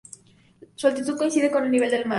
Su altitud coincide con el nivel del mar.